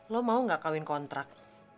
lo mau gak kawin kontrak